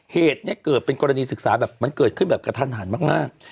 เหตุเนี่ยเป็นกรณีศึกษาอันตรายจนเกิดขึ้นแบบกระทั่นหารมาก